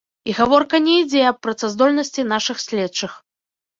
І гаворка не ідзе аб працаздольнасці нашых следчых.